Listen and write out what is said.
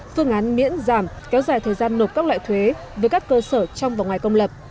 phương án miễn giảm kéo dài thời gian nộp các loại thuế với các cơ sở trong và ngoài công lập